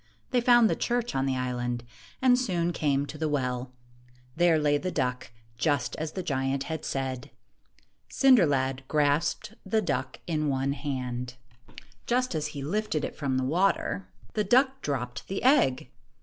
They found the church on the island, and soon came to the well. There lay the duck, just as the giant had said. Cinder lad grasped the duck in one hand. 1 15 Just as he lifted it from the water, the duck dropped the egg.